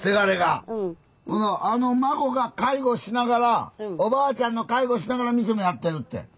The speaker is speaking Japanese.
あの孫が介護しながらおばあちゃんの介護しながら店もやってるって。